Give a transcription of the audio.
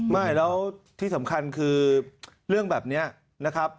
ไม่แล้วที่สำคัญคือเรื่องแบบนี้นะครับ